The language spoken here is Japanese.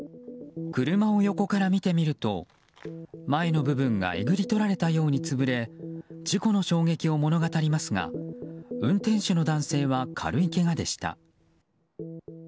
車を横から見てみると前の部分がえぐりとられたように潰れ事故の衝撃を物語りますが運転手の男性は軽いけがでした。